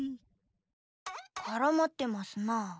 からまってますな。